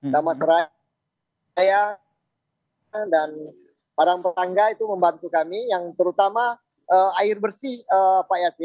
nama seraya dan barang perangga itu membantu kami yang terutama air bersih pak yasin